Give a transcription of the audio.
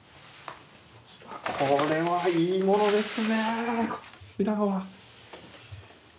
これはいいものですねこちらは。